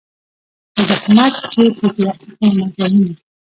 په زحمت چي پکښي اخلمه ګامونه